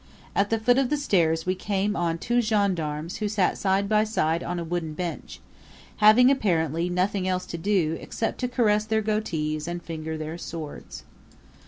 At the foot of the stairs we came on two gendarmes who sat side by side on a wooden bench, having apparently nothing else to do except to caress their goatees and finger their swords.